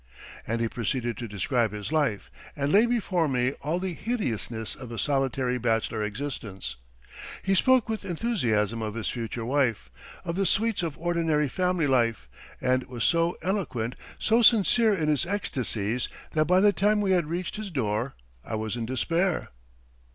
"And he proceeded to describe his life, and lay before me all the hideousness of a solitary bachelor existence. "He spoke with enthusiasm of his future wife, of the sweets of ordinary family life, and was so eloquent, so sincere in his ecstasies that by the time we had reached his door, I was in despair.